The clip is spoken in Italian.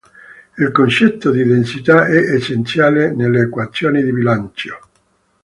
Il concetto di "densità" è essenziale nelle equazioni di bilancio.